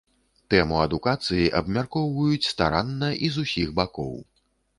Тэму адукацыі абмяркоўваюць старанна і з усіх бакоў.